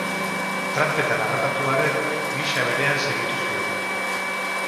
Tranpetan harrapatu arren, gisa berean segitu zuen.